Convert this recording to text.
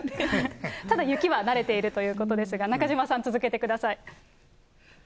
ただ、雪は慣れているということですが、中島さん、続けてください。